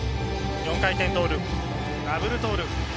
４回転トーループ、ダブルトーループ。